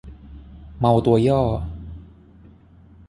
เมาตัวย่อ